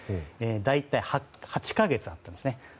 大体８か月あったんですね。